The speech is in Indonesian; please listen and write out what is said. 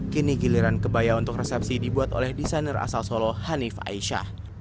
kini giliran kebaya untuk resepsi dibuat oleh desainer asal solo hanif aisyah